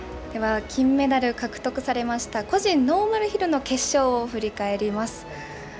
では金メダル獲得されました個人ノーマルヒルの決勝を振り返ります。